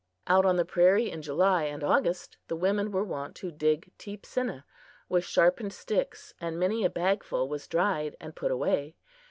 Out on the prairie in July and August the women were wont to dig teepsinna with sharpened sticks, and many a bag full was dried and put away.